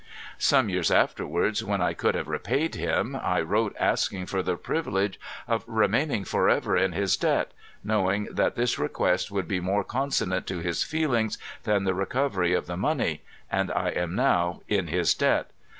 Some years afterwards when I could have repaid him I wrote, asking for the privilege of remaining forever in his debt, know ing that this request would be more consonant to his feelings than the recovery of the money, and I am now in his debt.